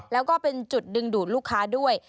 แล้วก็เป็นจุดดึงดูดลูกค้าด้วย